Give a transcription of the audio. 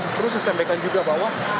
perlu saya sampaikan juga bahwa